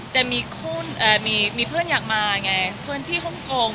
แต่มีคุณเอ่อมีเพื่อนอยากมาไงเพื่อนที่ฮงกง